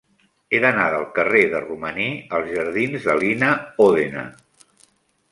He d'anar del carrer de Romaní als jardins de Lina Ódena.